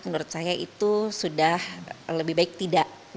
menurut saya itu sudah lebih baik tidak